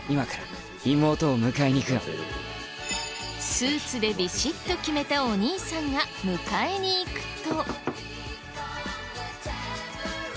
スーツでビシッと決めたお兄さんが迎えに行くと。